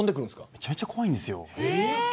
めちゃくちゃ怖いんですよ。